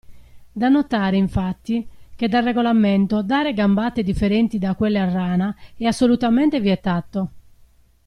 Da notare, infatti, che da regolamento dare gambate differenti da quelle a rana è assolutamente vietato.